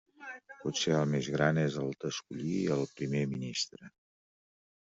Potser el més gran és el d'escollir el primer ministre.